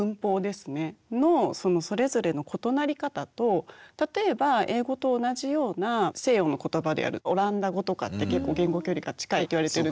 のそれぞれの異なり方と例えば英語と同じような西洋の言葉であるオランダ語とかって結構言語距離が近いって言われてるんですね。